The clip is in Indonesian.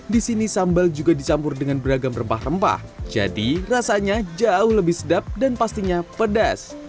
di sini sambal juga dicampur dengan beragam rempah rempah jadi rasanya jauh lebih sedap dan pastinya pedas